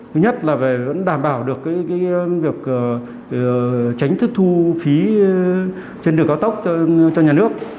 thứ nhất là đảm bảo được tránh thu phí trên đường cao tốc cho nhà nước